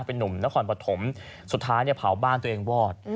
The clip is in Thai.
เป็นนุ่มนครปฐมสุดท้ายเนี่ยเผาบ้านตัวเองวอด